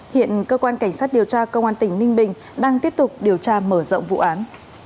hiện cơ quan cảnh sát điều tra công an tỉnh ninh bình đang tiếp tục điều tra mở rộng vụ án